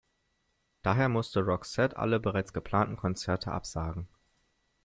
Daher musste Roxette alle bereits geplanten Konzerte absagen.